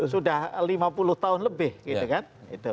sudah lima puluh tahun lebih gitu kan